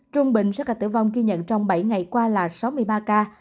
trung bình số ca tử vong ghi nhận trong bảy ngày qua là sáu mươi ba ca